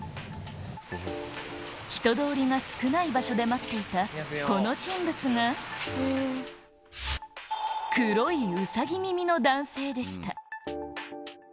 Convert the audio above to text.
人通りが少ない場所で待っていた、この人物が、黒いウサギ耳の男性でした。